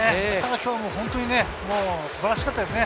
今日も本当に素晴らしかったですね。